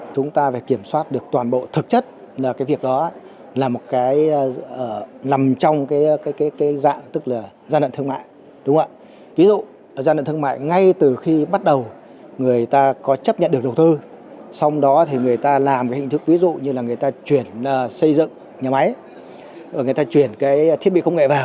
chúng ta phải kiểm soát được toàn bộ thực chất là cái việc đó là một cái nằm trong cái dạng tức là gian đận thương mại ví dụ gian đận thương mại ngay từ khi bắt đầu người ta có chấp nhận được đầu tư xong đó thì người ta làm cái hình thức ví dụ như là người ta chuyển xây dựng nhà máy người ta chuyển cái thiết bị công nghệ vào